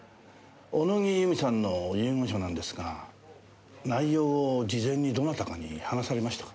小野木由美さんの遺言書なんですが内容を事前にどなたかに話されましたか？